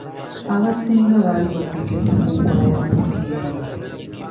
Abasinga baali badduukidde ku nkola ya VPN